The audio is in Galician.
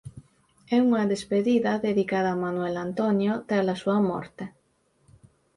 É unha despedida dedicada a Manuel Antonio tras a súa morte.